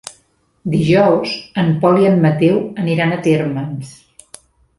Dijous en Pol i en Mateu aniran a Térmens.